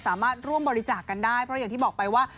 สามารถร่วมบริจาคกันได้เพราะอย่างที่บอกไปว่า